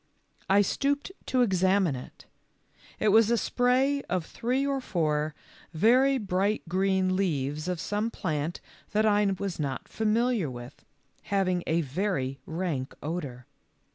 I stooped to examine it. It was a spray of three or four very bright green leaves of some plant that I was not familiar with, having a very rank odor.